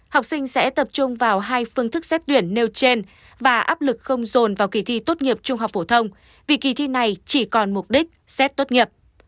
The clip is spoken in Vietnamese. học sinh sẽ tập trung vào hai phương thức xét tuyển nêu trên và áp lực không dồn vào kỳ thi tốt nghiệp trung học phổ thông vì kỳ thi này chỉ còn mục đích xét tốt nghiệp